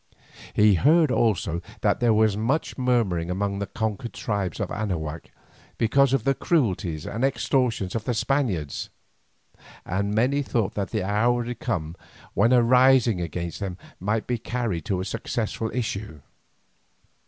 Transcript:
We heard also that there was much murmuring among the conquered tribes of Anahuac because of the cruelties and extortions of the Spaniards, and many thought that the hour had come when a rising against them might be carried to a successful issue.